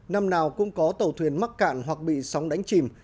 năm nào cũng có tàu thuyền mắc cạn hoặc bị sóng đánh chìm